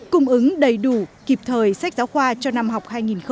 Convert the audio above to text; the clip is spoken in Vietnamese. cung ứng đầy đủ kịp thời sách giáo khoa cho năm học hai nghìn hai mươi hai nghìn hai mươi